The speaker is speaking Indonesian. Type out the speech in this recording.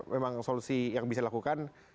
memang solusi yang bisa dilakukan